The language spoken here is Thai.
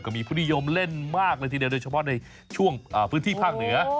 มีผู้นิยมเล่นมากเลยทีเดียวโดยเฉพาะในช่วงพื้นที่ภาคเหนือ